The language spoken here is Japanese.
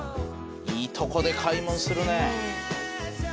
いいとこで買い物するね。